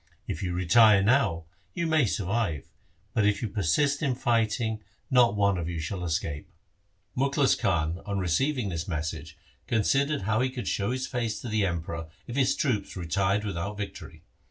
If you retire now, you may survive, but if you persist in fighting, not one of you shall escape.' Mukhlis Khan on receiving this message considered how he could show his face to the Emperor if his troops retired without victory.